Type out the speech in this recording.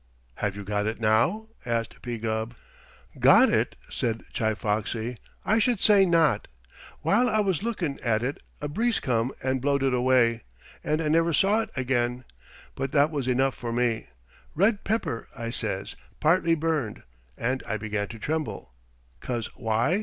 "Have you got it now?" asked P. Gubb. "Got it?" said Chi Foxy. "I should say not. While I was lookin' at it a breeze come and blowed it away, and I never saw it again, but that was enough for me. 'Red pepper,' I says, 'partly burned,' and I began to tremble. 'Cause why?